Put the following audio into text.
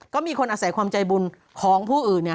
ก็มีคนอาศัยความใจบุญของผู้อื่น